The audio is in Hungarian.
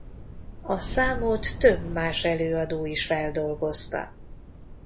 A számot több más előadó is feldolgozta.